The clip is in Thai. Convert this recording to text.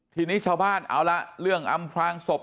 ทีนี้ชาวบ้านเอาละเรื่องอำพลางศพ